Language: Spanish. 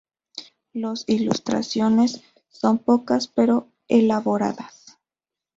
Las ilustraciones son pocas, pero elaboradas.